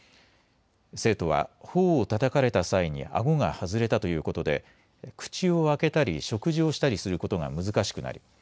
生徒はほおをたたかれた際にあごが外れたということで口を開けたり食事をしたりすることが難しくなり